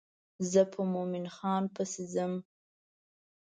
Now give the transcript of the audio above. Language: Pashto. زه په مومن خان پسې ځم.